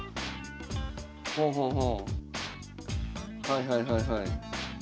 はいはいはいはい。